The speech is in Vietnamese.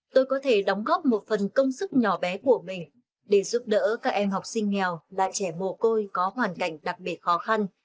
tôi có thể đóng góp một phần công sức nhỏ bé của mình để giúp đỡ các em học sinh nghèo là trẻ mồ côi có hoàn cảnh đặc biệt khó khăn